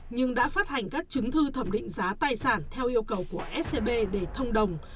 nhưng đã phát hành các chứng thư thẩm định giá tài sản theo yêu cầu của scb để thông đồng